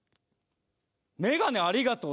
「メガネありがとう。